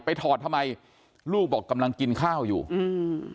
ถอดทำไมลูกบอกกำลังกินข้าวอยู่อืม